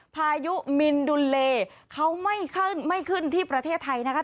พายุมินดุลเลเขาไม่ขึ้นที่ประเทศไทยนะครับ